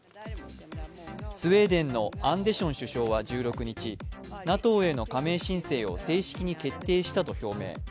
スウェーデンのアンデション首相は１６日、ＮＡＴＯへの加盟申請を正式に決定したと表明。